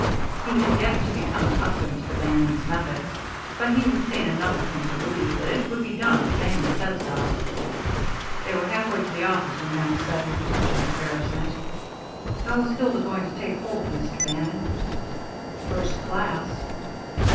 He had yet to become accustomed to Bannon's methods; but he had seen enough of him to believe that it would be done if Bannon said so. They were halfway to the office when Max said, with a touch of embarrassment: "How's Hilda going to take hold, Mr. Bannon?" "First class."